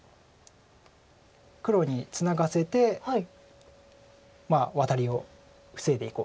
黒にツナがせてワタリを防いでいこうと。